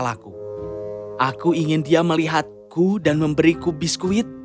dan aku ingin kau lagi untuk men